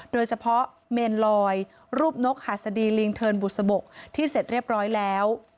โดยเฉพาะเมนลอยรูปนกหัสดีลิงเทินบุษบกที่เสร็จเรียบร้อยแล้ว